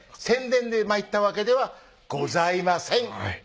宣伝で参ったわけではございません